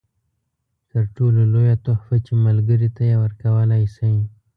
تر ټولو لویه تحفه چې ملګري ته یې ورکولای شئ.